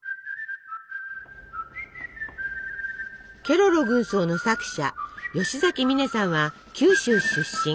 ケロロ軍曹の作者吉崎観音さんは九州出身。